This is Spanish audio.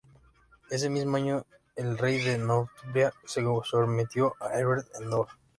Ese mismo año, el Rey de Northumbria se sometió a Egbert en Dore.